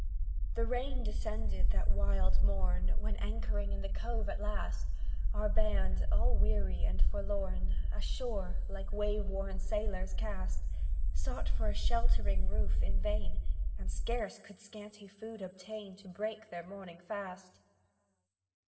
The rain descended that wild morn When, anchoring in the cove at last, Our band, all weary and forlorn Ashore, like wave worn sailors, cast Sought for a sheltering roof in vain, And scarce could scanty food obtain To break their morning fast.